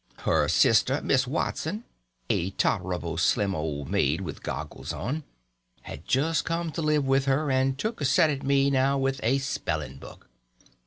Her sister, Miss Watson, a tolerable slim old maid, with goggles on, had just come to live with her, and took a set at me now with a spelling book.